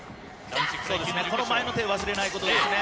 この前の手を忘れないことですね。